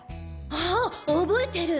あ覚えてる！